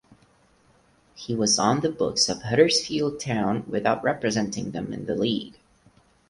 He was on the books of Huddersfield Town without representing them in the league.